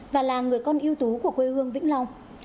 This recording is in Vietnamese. và là người con yêu tú của quê hương vĩnh long